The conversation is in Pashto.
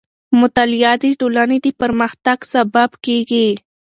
مطالعه د ټولنې د پرمختګ سبب کېږي.